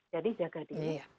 jadi jaga diri